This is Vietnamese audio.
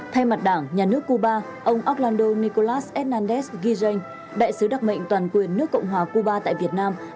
thay mặt đảng nhà nước cuba ông orlando nicolás hernández ghi danh đại sứ đặc mệnh toàn quyền nước cộng hòa cuba tại việt nam